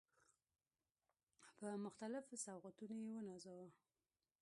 په مختلفو سوغاتونو يې ونازاوه.